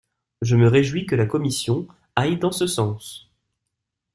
Je me réjouis que la commission aille dans ce sens.